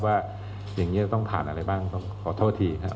ว่าอย่างนี้จะต้องผ่านอะไรบ้างต้องขอโทษทีนะครับ